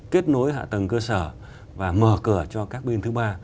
kết nối hạ tầng cơ sở và mở cửa cho các bên thứ ba